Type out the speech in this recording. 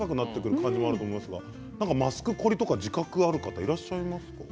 マスクコリの自覚がある方いらっしゃいますか。